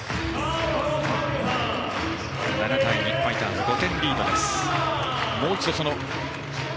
７対２、ファイターズ５点リード。